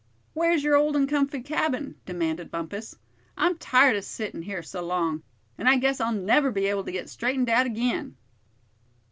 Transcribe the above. "Where's your old and comfy cabin?" demanded Bumpus. "I'm tired of sittin' here so long, and I guess I'll never be able to get straightened out again."